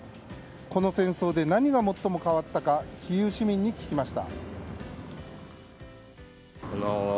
この戦争で何が最も変わったかキーウ市民に聞きました。